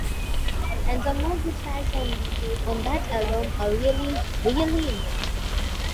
And some of the tracks on that album are really, really inventive.